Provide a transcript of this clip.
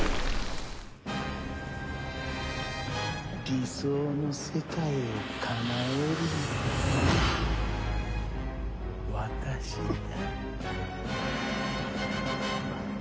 理想の世界をかなえるのは私だ。